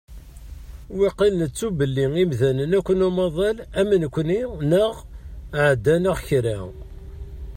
Wakil nettu belli imdanen akk n umaḍal am nekkni neɣ ɛeddan-aɣ kra.